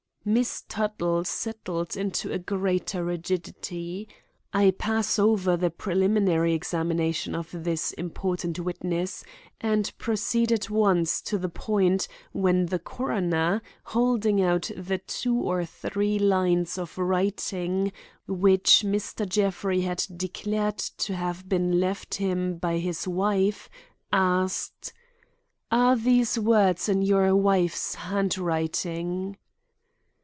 Miss Tuttle settled into a greater rigidity. I pass over the preliminary examination of this important witness and proceed at once to the point when the coroner, holding out the two or three lines of writing which Mr. Jeffrey had declared to have been left him by his wife, asked: "Are these words in your wife's handwriting?"